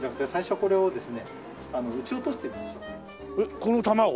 この球を？